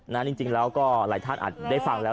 นั่นจริงแล้วก็หลายท่านได้ฟังแล้ว